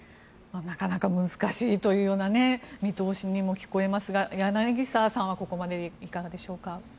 なかなか難しいというような見通しのようにも聞こえますが柳澤さんはいかがでしょうか。